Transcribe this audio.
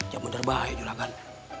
ya bener bahaya juragan